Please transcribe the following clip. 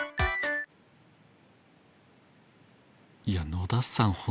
いや野田さん